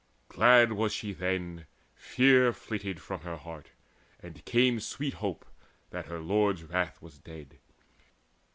Glad was she then: fear flitted from her heart, And came sweet hope that her lord's wrath was dead.